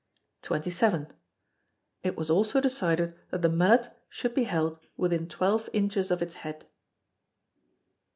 xxvii. It was also decided that the mallet should be held within twelve inches of its head.